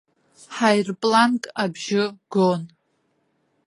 Ҳаирпланк абжьы гон.